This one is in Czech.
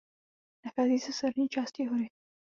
Nachází se v severní části hory.